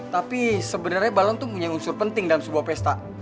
tapi sebenarnya balon itu punya unsur penting dalam sebuah pesta